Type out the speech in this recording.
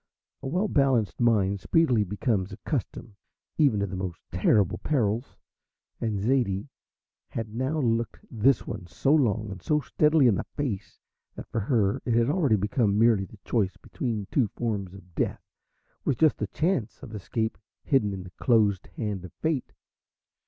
A well balanced mind speedily becomes accustomed even to the most terrible perils, and Zaidie had now looked this one so long and so steadily in the face that for her it had already become merely the choice between two forms of death with just a chance of escape hidden in the closed hand of Fate.